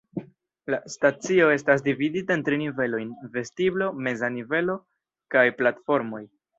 La stacio estas dividita en tri nivelojn: vestiblo, meza nivelo kaj platformoj.